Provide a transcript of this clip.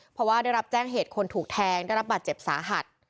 เพราะว่าได้รับแจ้งเหตุคนถูกแทงได้รับบาดเจ็บสาหัส